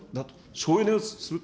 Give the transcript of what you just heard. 省エネをすると。